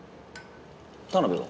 田辺は？